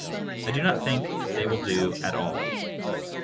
I do not think they will do at all.